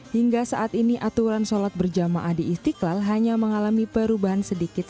hingga saat ini aturan sholat berjamaah di istiqlal hanya mengalami perubahan sedikit